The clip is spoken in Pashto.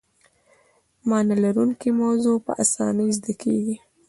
معنی لرونکې موضوع په اسانۍ زده کیږي.